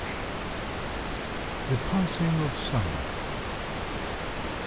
THE PASSING OF SUMMER.